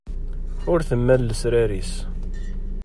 Ur temmal lesrar-is.